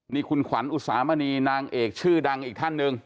นี่คุณขวัญอุสามณีนางเอกชื่อดังอีกท่านหนึ่ง